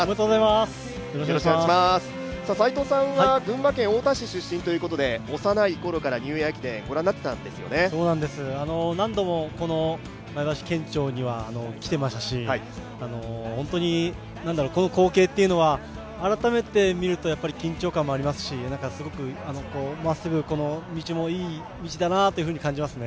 斎藤さんは群馬県太田市出身ということで幼い頃からニューイヤー駅伝をご覧になっていたんですね？何度も県庁には来ていましたし、本当にこの光景というのは改めてみると緊張感もありますし、このまっすぐの道もいい道だなと感じますね。